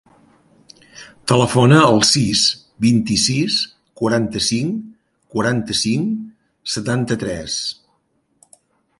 Telefona al sis, vint-i-sis, quaranta-cinc, quaranta-cinc, setanta-tres.